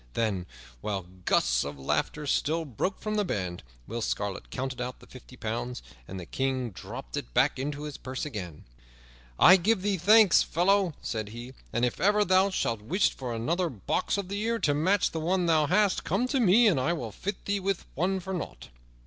Then, while gusts of laughter still broke from the band, Will Scarlet counted out the fifty pounds, and the King dropped it back into his purse again. "I give thee thanks, fellow," said he, "and if ever thou shouldst wish for another box of the ear to match the one thou hast, come to me and I will fit thee with it for nought."